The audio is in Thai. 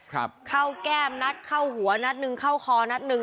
เข้าแก้มนัดเข้าหัวนัดหนึ่งเข้าคอนัดหนึ่ง